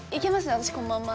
私このまんま。